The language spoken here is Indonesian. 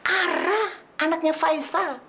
ara anaknya faisal